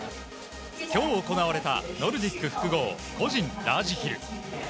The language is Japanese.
今日行われたノルディック複合個人ラージヒル。